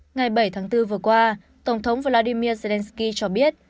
ngày bảy tháng bốn vừa qua tổng thống vladimir zelensky cho biết